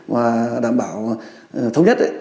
và đảm bảo thống nhất